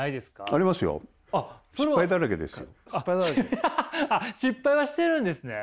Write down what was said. あっ失敗はしてるんですね？